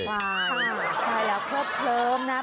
ค่ะใครอยากพบเพิ่มนะ